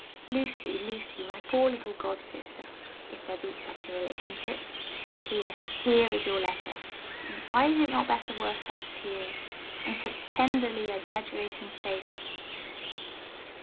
"Lucy, Lucy, my poor little god sister (if there be such a relationship), here—here is your letter. Why is it not better worth such tears, and such tenderly exaggerating faith?"